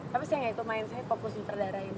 tapi saya gak itu main saya fokus di terdarahin